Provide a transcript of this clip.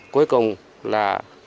cuối cùng là